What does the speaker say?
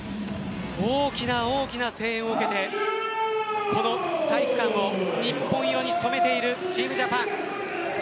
大きな大きな声援を受けてこの体育館を日本色に染めているチームジャパン。